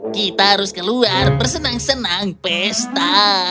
kita harus keluar bersenang senang pesta